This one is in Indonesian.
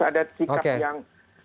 ada sikap yang